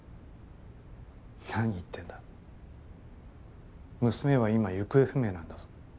何言ってんだ娘は今行方不明なんだぞ。